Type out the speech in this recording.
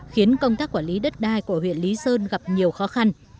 khiến công tác quản lý đất đai của huyện lý sơn gặp nhiều khó khăn